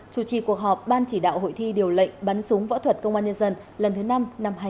chủ trì cuộc họp ban chỉ đạo hội thi điều lệnh bắn súng võ thuật công an nhân dân lần thứ năm năm hai nghìn hai mươi